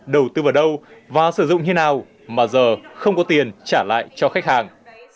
đầu tư vào đâu và sử dụng như nào mà giờ không có tiền trả lại cho khách hàng